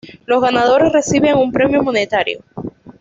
Los ganadores reciben un premio monetario.